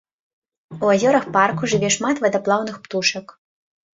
У азёрах парку жыве шмат вадаплаўных птушак.